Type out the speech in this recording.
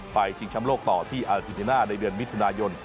ไปชิงชำโลกต่อที่อธินาณาในเดือนมิถุนายน